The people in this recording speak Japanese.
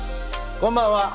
こんばんは。